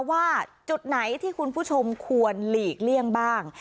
ว่าจุดไหนที่คุณผู้ชมควรหลีกเลี่ยงบ้าง